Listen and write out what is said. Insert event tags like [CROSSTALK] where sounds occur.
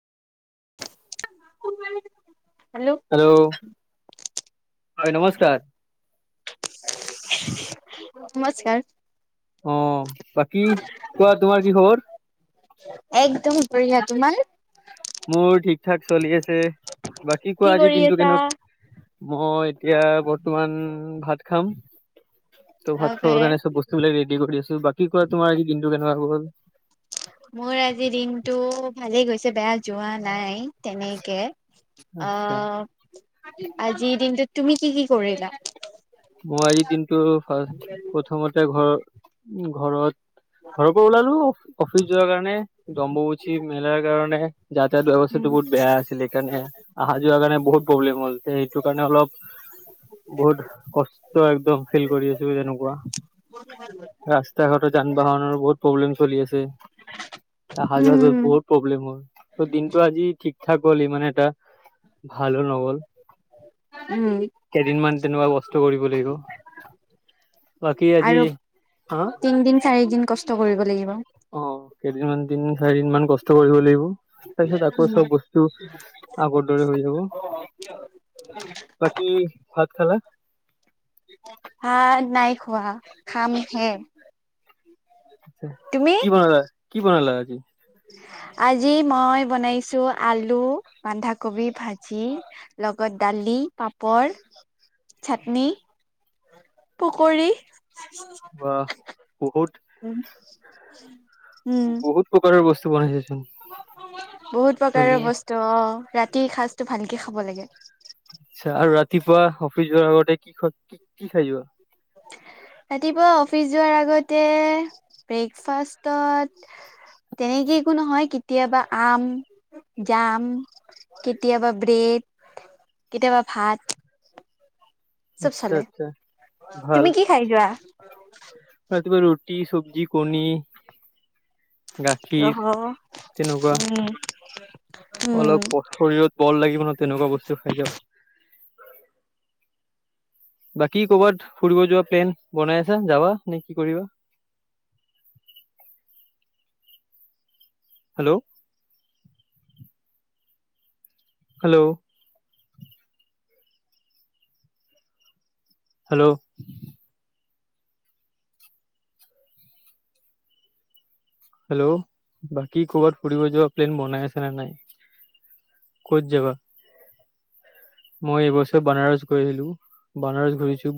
Hello? হয় নমস্কাৰ নমস্কাৰ। অ', বাকী কোৱা তোমাৰ কি খবৰ? একদম বঢ়িয়া, তোমাৰ? মোৰ ঠিক ঠাক চলি আছে, বাকী কি কোৱা আজিৰ কৰি দিনটো আছা? কেনত মই এতিয়া বৰ্তমান ভাত খাম। ত' ভাত খাব অকে কাৰণে চব বস্তু বিলাক ৰেডি কৰি আছো, বাকী কোৱা তোমাৰ আজি দিনটো কেনেকুৱা গ'ল? মোৰ আজি দিনটো ভালেই গৈছে বেয়া যোৱা নাই। তেনেকে আচ্ছা আহ আজিৰ দিনটোত তুমি কি কি কৰিলা? মই আজি দিনটো ফা প্ৰথমতে ঘৰ ঘৰত ঘৰৰ পৰা ওলালো অফিচ যোৱাৰ কাৰণে, অম্বুবাচীমেলাৰ কাৰণে। যাতায়াত ব্যৱস্থাটো বহুত বেয়া আছিল এইকাৰণে আহা যোৱা কাৰণে বহুত প্ৰব্লেমল হ'ল, সেইটো কাৰণে অলপ বহুত ক ষ্ট একদম ফিল কৰি আছো যেনেকুৱা। ৰাস্তা-ঘাটৰ, যান-বাহনৰো বহুত প্ৰব্লেম চলি আছে, আহা যোৱা উম বহুত প্ৰব্লেম হ'ল। ত' দিনটো আজি ঠিক ঠাক গল, ইমানে এটা ভালো নগ'ল। উম। কেইদিনমান তেনেকুৱা কষ্ট কৰিব লাগিব। বাকী আজি আৰু হা তিনদিন-চাৰিদিন কষ্ট লাগিব। অঁ', কেইদিনমান তিনদিন-চাৰিদিন মান কষ্ট কৰিব লাগিব, তাৰপিছত আকৌ চব বস্তু আগৰ দৰে হৈ যাব। [UNINTELLIGIBLE] বাকী, ভাত খালা? ভাত নাই খোৱা, খাম হে। কি বনালা, কি বনালা আজি? আজি মই বনাইছো আলু, বান্ধাকবি ভাজি। লগত দালি, পাপৰ, চাটনি- পকৰী। বাহ, বহুত [UNINTELLIGIBLE] বহুত প্ৰকাৰৰ বস্তু বনাইছাচোন। বহুত প্ৰকাৰৰ বস্তু অঁ', ৰাতিৰ সাজটো ভালকে খাব লাগে। আচ্ছা, আৰু ৰাতিপুৱা অফিচ যোৱাৰ আগতে কি খোৱা, কি কি খাই যোৱা? ৰাতিপুৱা অফিচ যোৱাৰ আগতে ব্ৰেকফাষ্টত- তেনেকে একো নহয় কেতিয়াবা আম-জাম- কেতিয়াবা ব্ৰেড, কেতিয়াবা ভাত। চব চলে আচ্ছা-আচ্ছা, ভাল। তুমি কি খাই যোৱা ৰাতিপুৱা ৰুটি, চব্জি, কণী- গাখীৰ, অহ তেনেকুৱা, উম উম অলপ - শৰীৰত বল লাগিব ন' তেনেকুৱা বস্তু খাই যাব। বাকী কৰ'বাত ফুৰিব যোৱা প্লেন বনাই আছা যাবা নে কি কৰিবা? হেল্ল'। হেল্ল'। হেল্ল'। হেল্ল', বাকী কৰ'বাত ফুৰিব যোৱা প্লেন বনাই আছা নে নাই? ক'ত যাবা? মই এইবছৰ বানাৰস গৈ আহিলো, বানাৰস ঘূৰিছোঁ।